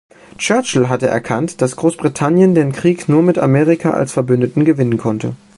Churchill hatte erkannt, dass Großbritannien den Krieg nur mit Amerika als Verbündeten gewinnen konnte.